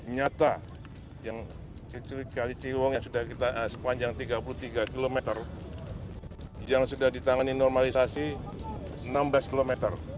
nyata yang sepanjang tiga puluh tiga km yang sudah ditangani normalisasi enam belas km